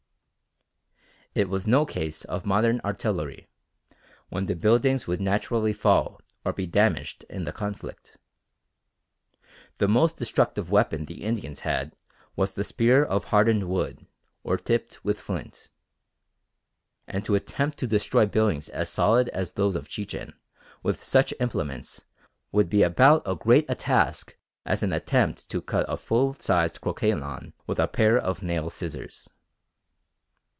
It was no case of modern artillery, when the buildings would naturally fall or be damaged in the conflict. The most destructive weapon the Indians had was the spear of hardened wood or tipped with flint, and to attempt to destroy buildings as solid as those of Chichen with such implements would be about as great a task as an attempt to cut a full sized croquet lawn with a pair of nail scissors.